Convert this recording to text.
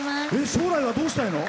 将来は、どうしたいの？